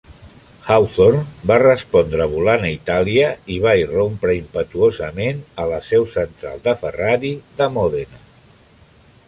Hawthorn va respondre volant a Itàlia i va irrompre impetuosament a la seu central de Ferrari de Mòdena.